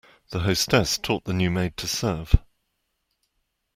The hostess taught the new maid to serve.